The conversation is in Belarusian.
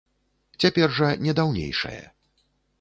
Цяпер жа не даўнейшае.